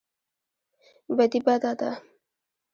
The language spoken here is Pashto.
بدي بده ده.